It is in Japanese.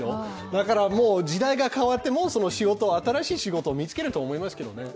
だから時代が変わっても新しい仕事を見つけると思いますけどね。